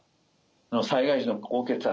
災害時の高血圧